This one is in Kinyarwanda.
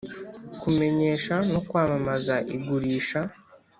Kumenyesha no kwamamaza igurisha